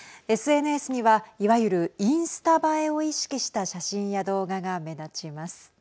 ＳＮＳにはいわゆるインスタ映えを意識した写真や動画が目立ちます。